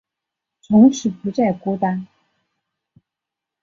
从此不再孤单